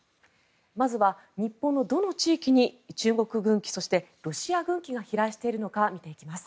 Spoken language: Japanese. まずは、日本のどの地域に中国軍機ロシア軍機が飛来しているのかを見ていきます。